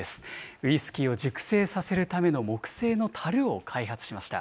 ウイスキーを熟成させるための木製のたるを開発しました。